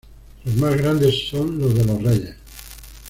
Los más grandes son los de los reyes.